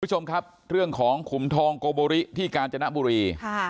คุณผู้ชมครับเรื่องของขุมทองโกโบริที่กาญจนบุรี